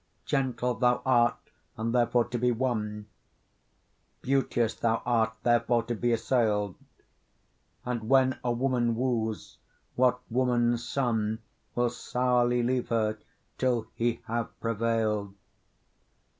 Gentle thou art, and therefore to be won, Beauteous thou art, therefore to be assail'd; And when a woman woos, what woman's son Will sourly leave her till he have prevail'd?